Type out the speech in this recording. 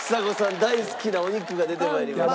大好きなお肉が出て参りました。